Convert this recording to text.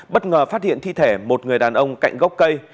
bất ngờ phát hiện thi thể một người đàn ông cạnh gốc cây